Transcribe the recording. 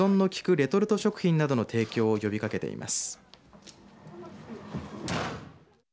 レトルト食品などの提供を呼びかけています。